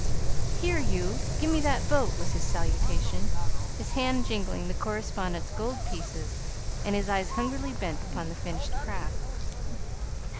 "Here, you! Gimme that boat!" was his salutation, his hand jingling the correspondents' gold pieces and his eyes hungrily bent upon the finished craft.